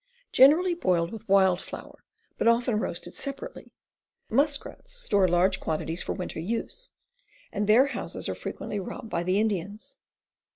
Generally boiled with wild fowl, but often roasted separately. Musk rats store large quantities for winter use, and their houses are frequently robbed by the Indians.